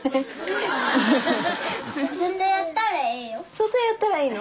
外やったらいいの？